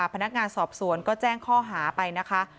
พนักงานสอบสวนก็แจ้งข้อหาไปนะคะ